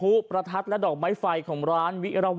โอ้โหพังเรียบเป็นหน้ากล่องเลยนะครับ